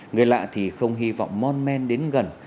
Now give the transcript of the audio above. người lạ thì không hy vọng mon men đến gần